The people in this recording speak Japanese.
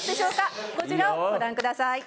こちらをご覧ください。